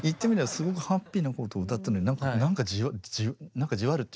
すごくハッピーなことを歌ってるのになんかじわるっていうか。